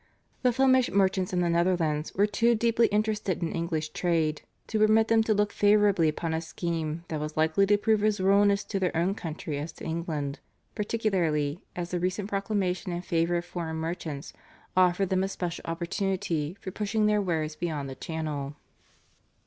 The Flemish merchants in the Netherlands were too deeply interested in English trade to permit them to look favourably upon a scheme that was likely to prove as ruinous to their own country as to England, particularly as the recent proclamation in favour of foreign merchants offered them a special opportunity for pushing their wares beyond the Channel.